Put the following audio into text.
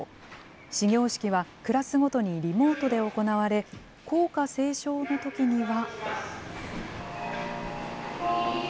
始業式はクラスごとにリモートで行われ、校歌斉唱のときには。